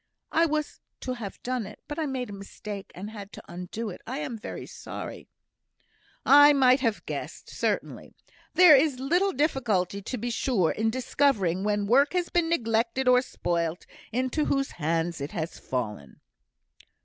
"I was to have done it, but I made a mistake, and had to undo it. I am very sorry." "I might have guessed, certainly. There is little difficulty, to be sure, in discovering, when work has been neglected or spoilt, into whose hands it has fallen."